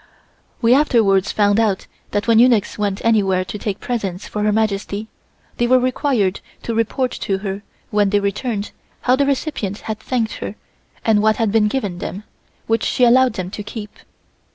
We afterwards found out that when eunuchs went anywhere to take presents for Her Majesty, they were required to report to her when they returned how the recipient had thanked her and what had been given them, which she allowed them to keep.